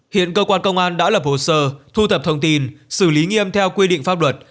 hiện cơ quan công an đã lập hồ sơ thu thập thông tin xử lý nghiêm theo quy định pháp luật